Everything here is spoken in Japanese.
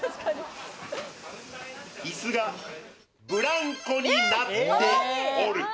椅子がブランコになっておる。